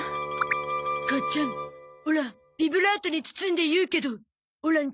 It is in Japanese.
母ちゃんオラビブラートに包んで言うけどオラん